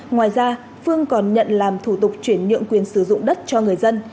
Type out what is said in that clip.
ngoài ra phương còn nhận làm thủ tục chuyển nhượng quyền sử dụng đất cho người dân